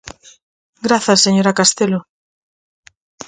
Grazas, señora Castelo.